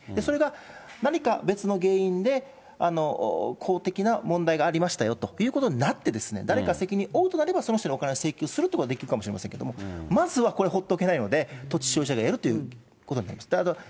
それが何か別の原因で、公的な問題がありましたよということになって、誰か責任負うとなればその日に請求するということができるかもしれませんが、まずはこれ、ほっとけないので、土地所有者がやるということになります。